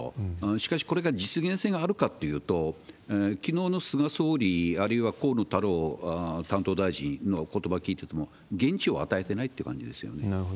しかし、これが実現性があるかっていうと、きのうの菅総理、あるいは河野太郎担当大臣のことば聞いてても、言質を与えてないって感じですよね。